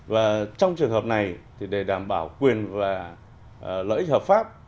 và trong trường hợp này thì để đảm bảo quyền và lợi ích hợp pháp